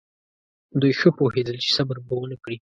دوی ښه پوهېدل چې صبر به ونه کړي.